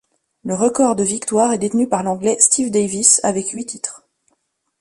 Le record de victoires est détenu par l'Anglais Steve Davis avec huit titres.